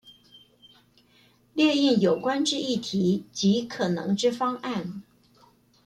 列印有關之議題及可能之方案